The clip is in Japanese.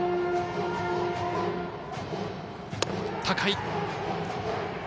高い。